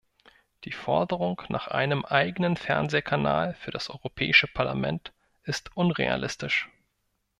Die Forderung nach einem eigenen Fernsehkanal für das Europäische Parlament ist unrealistisch.